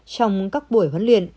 trong các buổi huấn luyện